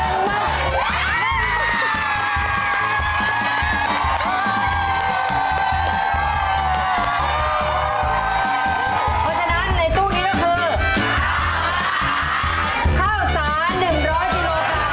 เพราะฉะนั้นในตู้นี้ก็คือข้าวสาร๑๐๐กิโลกรัม